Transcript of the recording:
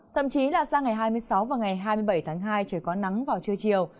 thậm chí là sang ngày hai mươi sáu và ngày hai mươi bảy tháng hai trời có nắng vào trưa chiều